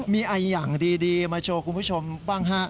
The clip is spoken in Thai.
มีไออย่างดีมาโชว์คุณผู้ชมบ้างฮะ